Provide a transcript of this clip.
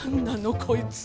こいつ。